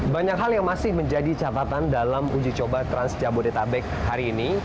banyak hal yang masih menjadi catatan dalam uji coba trans jabodetabek hari ini